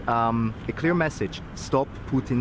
untuk menghentikan minyak dari putin